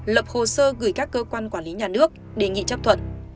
lập hồ sơ gửi các cơ quan quản lý nhà nước đề nghị chấp thuận